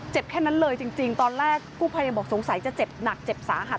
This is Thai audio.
แค่นั้นเลยจริงตอนแรกกู้ภัยยังบอกสงสัยจะเจ็บหนักเจ็บสาหัส